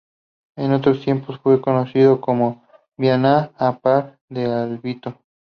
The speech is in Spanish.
En otros tiempos fue conocida como Viana-a-par-de-Alvito.